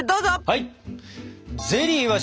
はい！